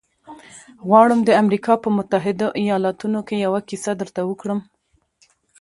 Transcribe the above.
غواړم د امریکا په متحدو ایالتونو کې یوه کیسه درته وکړم